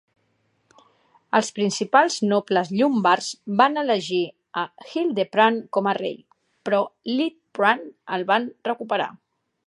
Els principals nobles llombards van elegir a Hildeprand com a rei, però Liutprand el va recuperar.